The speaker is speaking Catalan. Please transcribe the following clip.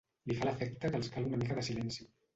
Li fa l'efecte que els cal una mica de silenci.